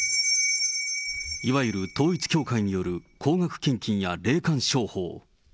いわゆる統一教会による高額献金や霊感商法。